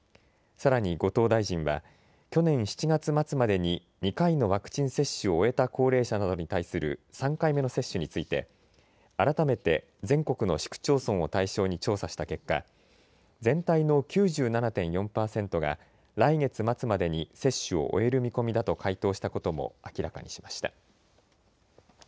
さらに後藤大臣は去年７月末までに２回のワクチン接種を終えた高齢者などに対する３回目の接種について改めて、全国の市区町村を対象に調査した結果、全体の９７．４％が来月末までに接種を終える見込みだと回答したことも明らかにしました。